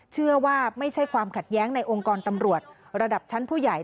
เชื่อว่าไม่ใช่ความขัดแย้งในองค์กรตำรวจระดับชั้นผู้ใหญ่